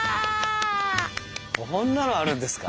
こんなのあるんですか？